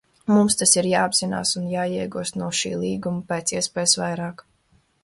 Mums tas ir jāapzinās un jāiegūst no šī līguma pēc iespējas vairāk.